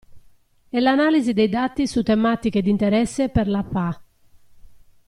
E l'analisi dei dati su tematiche di interesse per la PA.